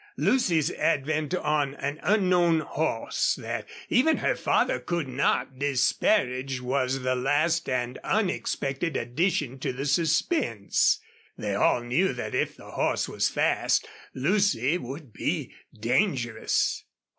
Lucy's advent, on an unknown horse that even her father could not disparage, was the last and unexpected addition to the suspense. They all knew that if the horse was fast Lucy would be dangerous.